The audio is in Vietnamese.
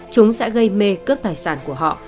chúng sẽ gây mê cướp tài sản của họ